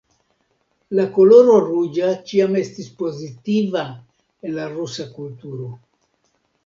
La koloro ruĝa ĉiam estis pozitiva en la rusa kulturo.